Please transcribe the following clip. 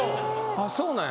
あっそうなんや。